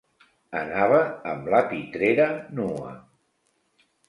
Anava amb la pitrera nua.